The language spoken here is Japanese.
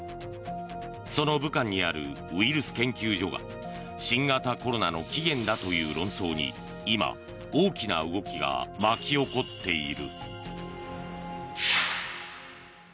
その武漢にあるウイルス研究所が新型コロナの起源だという論争に今、大きな動きが巻き起こっている。